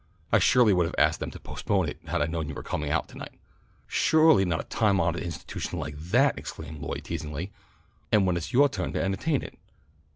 "I surely would have asked them to postpone it if I had known you were coming out to night." "Suahly not a time honahed institution like that!" exclaimed Lloyd teasingly, "and when it's yoah turn to entahtain it.